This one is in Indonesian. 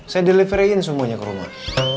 saya delivery in semuanya ke rumah